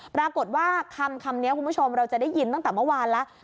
ปรากฏว่าคำนี้คุณผู้ชมเราจะได้ยินตั้งแต่เมื่อวานแล้ว